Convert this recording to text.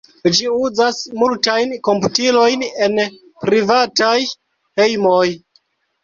Ĝi uzas multajn komputilojn en privataj hejmoj.